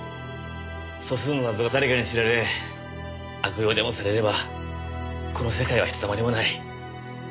素数の謎が誰かに知られ悪用でもされればこの世界はひとたまりもない。